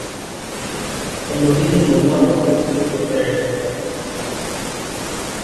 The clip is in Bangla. অন্যদিকে মুন্না মধ্যবিত্ত পরিবারের সন্তান।